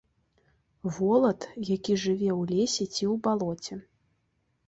Волат, які жыве ў лесе ці ў балоце.